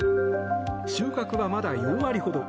収穫は、まだ４割ほど。